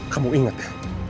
kamu ingat ya